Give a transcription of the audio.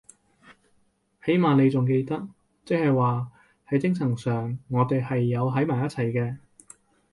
起碼妳仲記得，即係話係精神上我哋係有喺埋一齊嘅